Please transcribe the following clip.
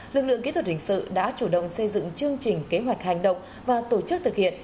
lực lượng kỹ thuật hình sự đã chủ động xây dựng chương trình kế hoạch hành động và tổ chức thực hiện